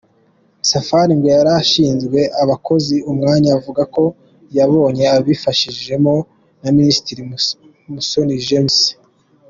Safari ngo yari ashinzwe abakozi; umwanya avuga ko yabonye abifashijwemo na Minisitiri Musoni James.